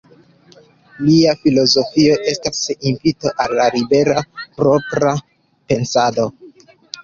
Lia filozofio estas invito al libera, propra, pensado.